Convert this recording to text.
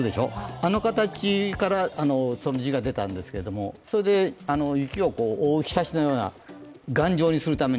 あの形からその字が出たんですけれども雪を覆うひさしのように頑丈にするために。